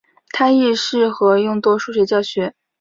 它亦适合用作数学教学。